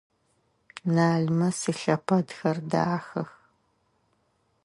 Налмэс илъэпэдхэр дахэх.